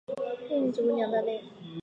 链型植物两大类。